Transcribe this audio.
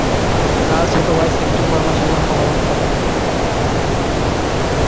তার ছোট ভাই সেপ্টেম্বর মাসে জন্মগ্রহণ করে।